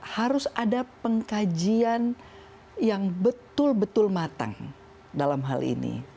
harus ada pengkajian yang betul betul matang dalam hal ini